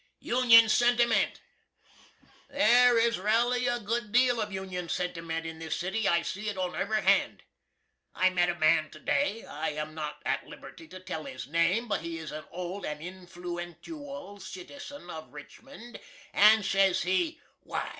UNION SENTIMENT. There is raly a great deal of Union sentiment in this city. I see it on ev'ry hand. I met a man to day I am not at liberty to tell his name, but he is a old and inflooentooial citizen of Richmond, and sez he, "Why!